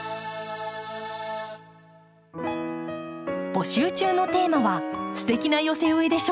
募集中のテーマは「ステキな寄せ植えでしょ！」。